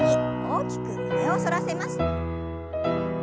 大きく胸を反らせます。